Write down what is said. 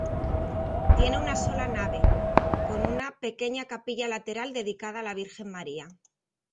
Tiene una sola nave, con una pequeña capilla lateral dedicada a la virgen María.